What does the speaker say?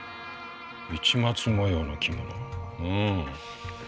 市松模様の着物。